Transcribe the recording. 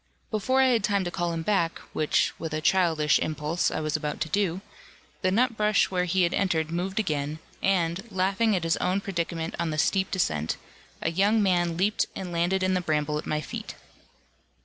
Before I had time to call him back, which, with a childish impulse, I was about to do, the nutbush where he had entered moved again, and, laughing at his own predicament on the steep descent, a young man leaped and landed in the bramble at my feet.